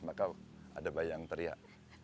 maka ada bayang teriak